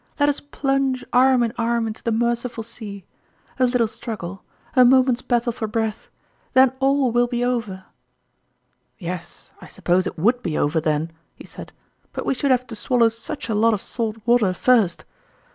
Let us plunge arm in arm into the merciful sea! A little struggle a moment's battle for breath then all will be over!" " Yes, I suppose it would be over then "; he said ;" but we should have to swallow such a lot of salt water first